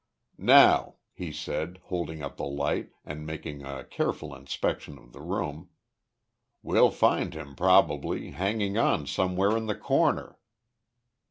"Now," he said, holding up the light, and making a careful inspection of the room, "we'll find him probably, hanging on somewhere in the corner.